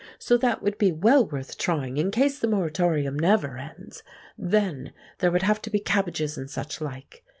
So that would be well worth trying, in case the moratorium never ends. Then there would have to be cabbages and suchlike.